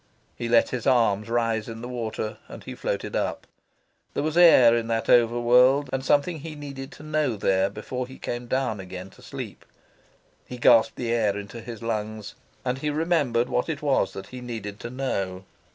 He let his arms rise in the water, and he floated up. There was air in that over world, and something he needed to know there before he came down again to sleep. He gasped the air into his lungs, and he remembered what it was that he needed to know.